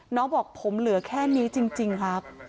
น้องบอกผมเหลือแค่นี้จริงครับ